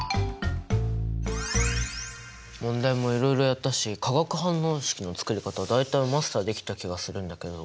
問題もいろいろやったし化学反応式のつくり方は大体マスターできた気がするんだけど。